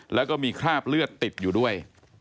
แล้วก็มีคราบเลือดติดอยู่ด้วย